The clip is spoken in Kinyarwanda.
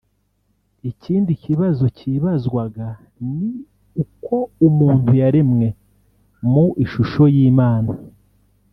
Ikindi kibazo cyibazwaga ni uko umuntu yaremwe mu ishusho y’Imana